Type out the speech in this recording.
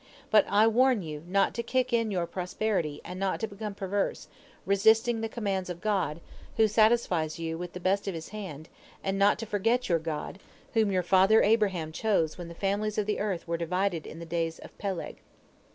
But I warn you not to kick in your prosperity and not to become perverse, resisting the commands of God, who satisfies you with the best of His land, and not to forget your God, whom your father Abraham chose when the families of the earth were divided in the days of Peleg.